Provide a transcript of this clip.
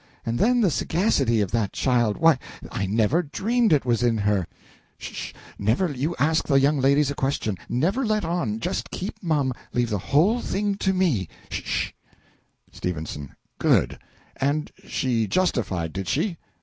And then the sagacity of that child why, I never dreamed it was in her. Sh she, 'Never you ask the young ladies a question never let on just keep mum leave the whole thing to me,' sh she. S. Good! And she justified, did she?